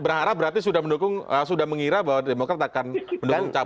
berharap berarti sudah mendukung sudah mengira bahwa demokrat akan mendukung capres